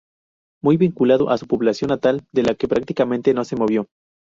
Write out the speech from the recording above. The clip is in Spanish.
Muy vinculado a su población natal, de la que prácticamente no se movió.